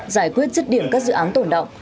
giải quyết dứt điểm các dự án tổn động